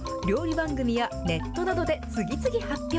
番組やネットなどで次々発表。